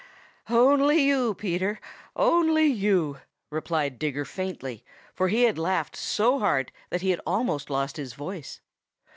"Only you, Peter. Only you," replied Digger faintly, for he had laughed so hard that he had almost lost his voice.